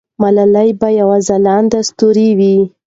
ملالۍ به یو ځلانده ستوری وي.